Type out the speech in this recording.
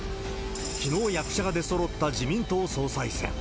きのう役者が出そろった自民党総裁選。